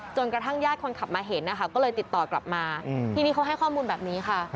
กระทั่งญาติคนขับมาเห็นนะคะก็เลยติดต่อกลับมาทีนี้เขาให้ข้อมูลแบบนี้ค่ะ